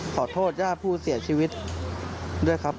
ขอโทษย่าผู้เสียชีวิตด้วยครับ